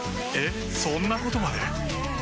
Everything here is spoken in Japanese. えっそんなことまで？